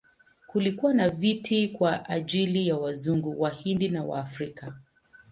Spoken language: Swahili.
Kulikuwa na viti kwa ajili ya Wazungu, Wahindi na Waafrika.